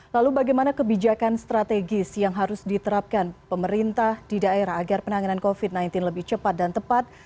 lalu bagaimana kebijakan strategis yang harus diterapkan pemerintah di daerah agar penanganan covid sembilan belas lebih cepat dan tepat